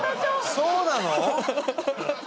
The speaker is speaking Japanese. そうなの？